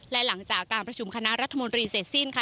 และหลังจากการประชุมคณะรัฐมนตรีเสร็จสิ้นค่ะ